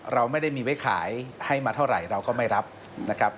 เราไม่ได้มีไว้ขายให้มาเท่าไหร่เราก็ไม่รับนะครับ